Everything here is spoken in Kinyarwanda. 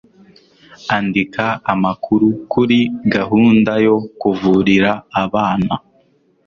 andika amakuru kuri gahunda yo kuvurira abana